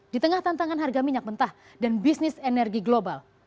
di tengah tantangan harga minyak mentah dan bisnis energi global